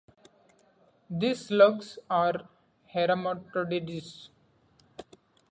These slugs are hermaphrodites.